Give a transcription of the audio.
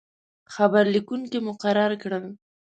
خبر لیکونکي مقرر کړل.